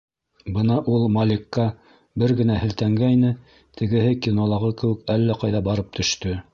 Бына ул Маликка бер генә һелтәнгәйне, тегеһе кинолағы кеүек әллә ҡайҙа барып төштө.